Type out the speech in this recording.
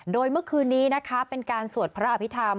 โดยเมื่อคืนนี้นะคะเป็นการสวดพระอภิษฐรรม